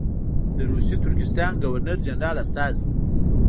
د روسي ترکستان ګورنر جنرال استازی وو.